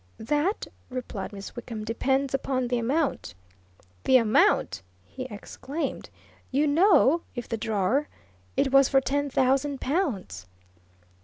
"That," replied Miss Wickham, "depends upon the amount." "The amount!" he exclaimed. "You know if the drawer! It was for ten thousand pounds!"